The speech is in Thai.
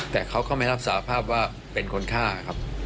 แต่เขาก็ไม่รับสาภาพว่าเป็นคนฆ่าครับ